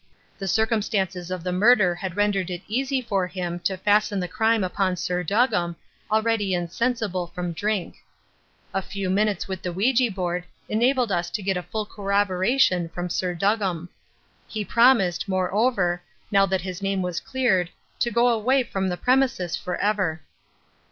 The circumstances of the murder had rendered it easy for him to fasten the crime upon Sir Duggam, already insensible from drink. A few minutes with the ouija board enabled us to get a full corroboration from Sir Duggam. He promised, moreover, now that his name was cleared, to go away from the premises for ever.